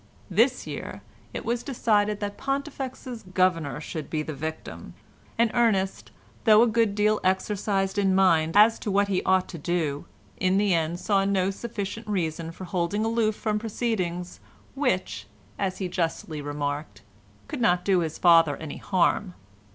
This year it was decided that Pontifex's governor should be the victim, and Ernest though a good deal exercised in mind as to what he ought to do, in the end saw no sufficient reason for holding aloof from proceedings which, as he justly remarked, could not do his father any harm.